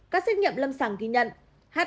các xét nghiệm lâm sẳng ghi nhận